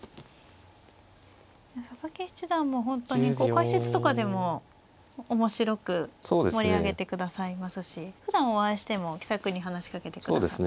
佐々木七段も本当にこう解説とかでも面白く盛り上げてくださいますしふだんお会いしても気さくに話しかけてくださって。